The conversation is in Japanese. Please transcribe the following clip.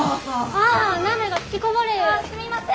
ああすみません！